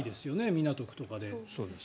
港区とかで。